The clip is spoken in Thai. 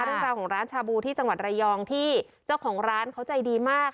เรื่องราวของร้านชาบูที่จังหวัดระยองที่เจ้าของร้านเขาใจดีมาก